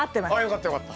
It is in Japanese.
よかったよかった。